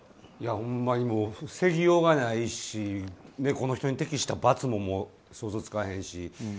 ほんまに防ぎようがないしこの人に適した罰も想像がつかへんし。